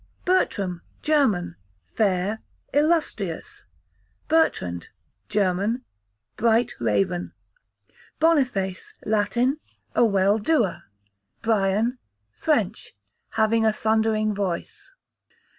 Bertram, German, fair, illustrious. Bertrand, German, bright raven. Boniface, Latin, a well doer. Brian, French, having a thundering voice.